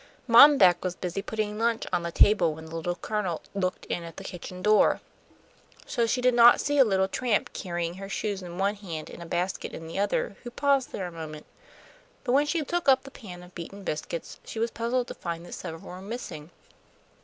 Mom Beck was busy putting lunch on the table when the Little Colonel looked in at the kitchen door. So she did not see a little tramp, carrying her shoes in one hand, and a basket in the other, who paused there a moment. But when she took up the pan of beaten biscuit she was puzzled to find that several were missing.